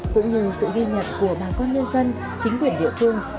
cũng như sự ghi nhận của bà con nhân dân chính quyền địa phương